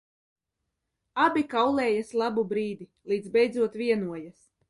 Abi kaulējas labu brīdi, līdz beidzot vienojas.